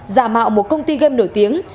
giả mạo một công ty game nổi tiếng